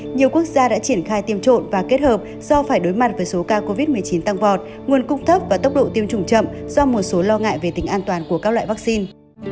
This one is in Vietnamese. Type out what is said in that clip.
nhiều quốc gia đã triển khai tiêm trộm và kết hợp do phải đối mặt với số ca covid một mươi chín tăng vọt nguồn cung thấp và tốc độ tiêm chủng chậm do một số lo ngại về tính an toàn của các loại vaccine